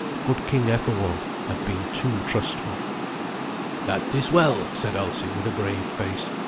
Good King Ethelwald had been too trustful. "That is well," said Alsi, with a grave face.